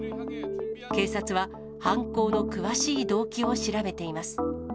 警察は、犯行の詳しい動機を調べています。